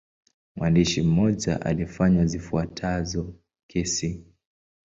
Mwandishi mmoja alifanya zifuatazo kesi.